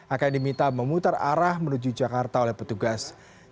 akan diminta memutar arah menuju jakarta oleh petugas